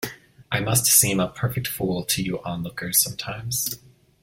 I must seem a perfect fool to you onlookers sometimes.